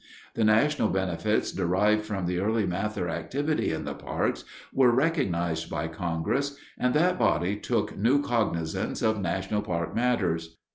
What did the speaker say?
The national benefits derived from the early Mather activity in the parks were recognized by Congress, and that body took new cognizance of national park matters.